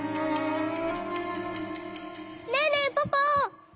ねえねえポポ！